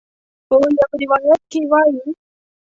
په یو روایت کې وایي.